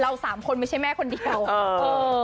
สามคนไม่ใช่แม่คนเดียวเออ